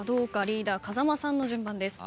リーダー風間さんの順番です。